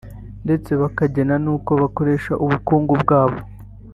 ndetse bakagena n’uko bakoresha ubukungu bwabo